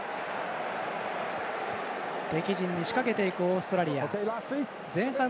敵陣に仕掛けていくオーストラリア。